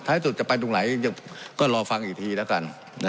สุดจะไปตรงไหนก็รอฟังอีกทีแล้วกัน